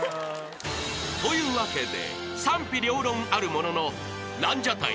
［というわけで賛否両論あるもののランジャタイ